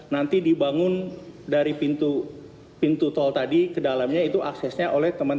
nanti dibangun dari pintu tol tadi ke dalamnya itu aksesnya oleh teman teman